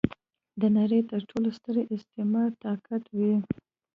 د نړۍ تر ټولو ستر استعماري طاقت و.